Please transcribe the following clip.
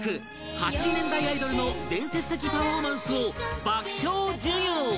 ８０年代アイドルの伝説的パフォーマンスを爆笑授業